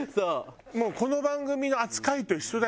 もうこの番組の扱いと一緒だよ。